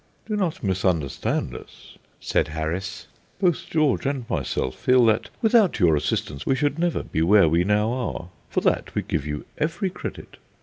"Do not misunderstand us," said Harris; "both George and myself feel that without your assistance we should never be where we now are. For that we give you every credit.